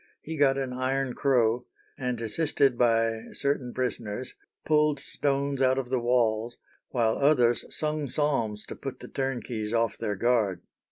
He got an iron crow, and assisted by certain prisoners, pulled stones out of the walls, while others sung psalms to put the turnkeys off their guard.